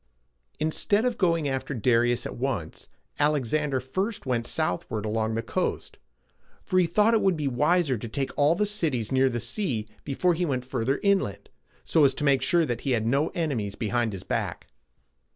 Instead of going after Darius at once, Alexander first went southward along the coast; for he thought it would be wiser to take all the cities near the sea before he went farther inland, so as to make sure that he had no enemies behind his back.